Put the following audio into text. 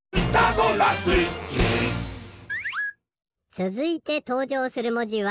つづいてとうじょうするもじは？